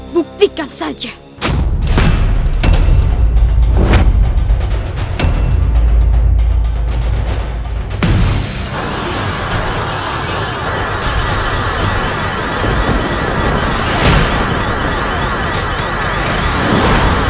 jangan banyak bicara